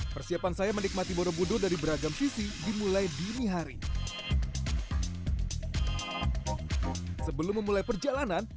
persiapan saya menikmati borobudur dari beragam visi dimulai dini hari sebelum memulai perjalanan